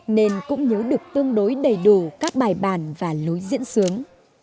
nên cũng nhớ được tương đối đầy đủ các bài bản và lối diễn sướng